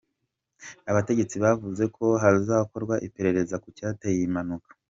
Abategetsi bavuze ko hazakorwa iperereza ku cyateye iyi mpanuka.